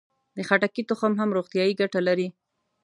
د خټکي تخم هم روغتیایي ګټه لري.